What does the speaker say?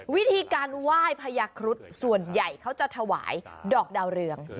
วิธีการไหว้พญาครุฑส่วนใหญ่เขาจะถวายดอกดาวเรือง